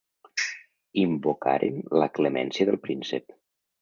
Invocaren la clemència del príncep.